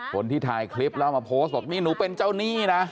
คนที่ถ่ายคลิปแล้วเอามาโพสต์บอกนี่หนูเป็นเจ้าหนี้นะ